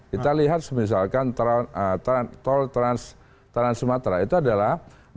kita lihat misalkan tol trans sumatera itu adalah